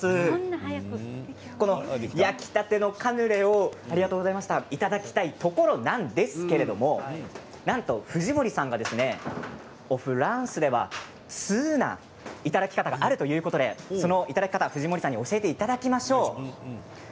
焼きたてのカヌレをいただきたいところなんですけれどもなんと藤森さんがおフランスでは通ないただき方があるということで藤森さんに教えていただきましょう。